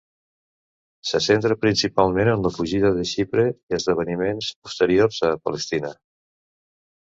Se centra principalment en la fugida de Xipre i esdeveniments posteriors a Palestina.